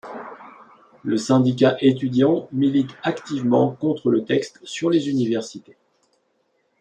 Le syndicat étudiant milite activement contre le texte sur les universités.